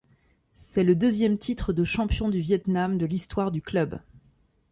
C'est le deuxième titre de champion du Viêt Nam de l'histoire du club.